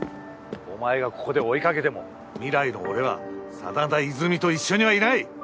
お前がここで追いかけても未来の俺は真田和泉と一緒にはいない！